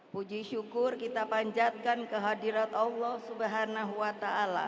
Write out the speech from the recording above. puji syukur kita panjatkan kehadirat allah swt